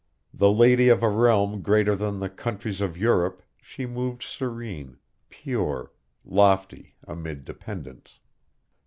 The lady of a realm greater than the countries of Europe, she moved serene, pure, lofty amid dependants.